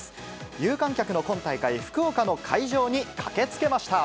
有観客の今大会、福岡の会場に駆けつけました。